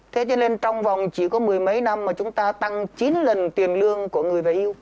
thế cho nên trong vòng chỉ có mười mấy năm mà chúng ta tăng chín lần tiền lương của người về yêu